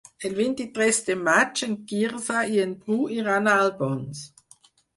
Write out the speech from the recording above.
El vint-i-tres de maig en Quirze i en Bru iran a Albons.